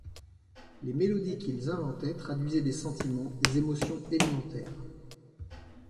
Les mélodies qu'ils inventaient traduisaient des sentiments, des émotions élémentaires.